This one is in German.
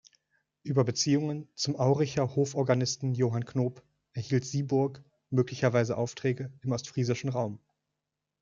Über Beziehungen zum Auricher Hoforganisten Johann Knop erhielt Sieburg möglicherweise Aufträge im ostfriesischen Raum.